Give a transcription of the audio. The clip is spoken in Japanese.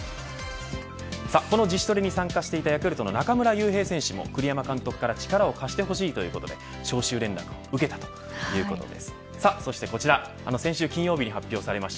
さあ、この自主トレに参加していたヤクルトの中村悠平選手も栗山監督から力を貸してほしいということで徴収連絡を受けたということです。